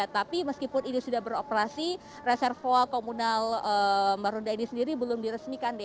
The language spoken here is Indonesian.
tapi meskipun ini sudah beroperasi reservoal komunal marunda ini sendiri belum diresmikan